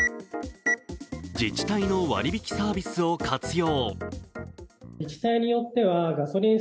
自治体の割引サービスを活用。